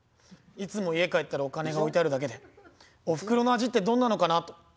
いつも家帰ったらお金が置いてあるだけでおふくろの味ってどんなのかなと。